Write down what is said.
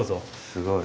すごい。